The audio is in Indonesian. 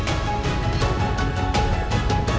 berjalan dengan berani